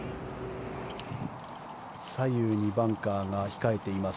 左右にバンカーが控えています